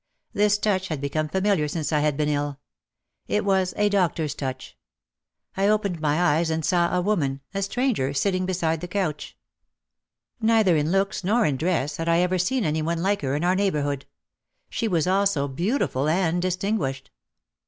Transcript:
This touch had become familiar since I had been ill. It was a doctor's touch. I opened my eyes and saw a woman, a stranger, sitting beside the couch. Neither in looks nor THIS WAS A PIECE WORK SHOP. OUT OF THE SHADOW 231 in dress had I ever seen any one like her in our neigh bourhood. She was also beautiful and distinguished.